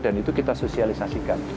dan itu kita sosialisasikan